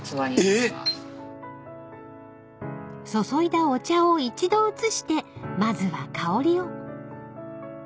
［注いだお茶を一度移してまずは香りを］